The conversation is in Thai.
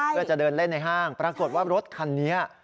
เพื่อจะเดินเล่นในห้างปรากฏว่ารถคันนี้